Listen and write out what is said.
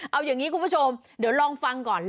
เอาอย่างนี้คุณผู้ชมเดี๋ยวลองฟังก่อน